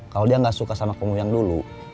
kalau dia gak suka sama kamu yang dulu